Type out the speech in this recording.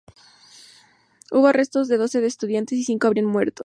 Hubo arrestos de decenas de estudiantes y cinco habrían muerto.